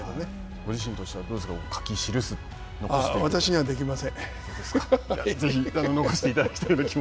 ご自身としてはどうですか、書き記す、残すというのは。